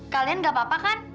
kalian gak apa apa kan